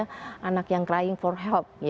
karena anak yang crying for help